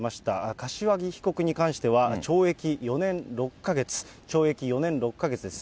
柏木被告に関しては懲役４年６か月、懲役４年６か月です。